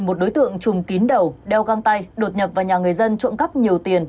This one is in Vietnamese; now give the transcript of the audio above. một đối tượng chùm kín đầu đeo găng tay đột nhập vào nhà người dân trộm cắp nhiều tiền